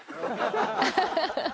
「アハハハ」